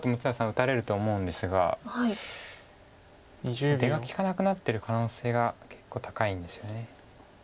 打たれると思うんですが出が利かなくなってる可能性が結構高いんですよね。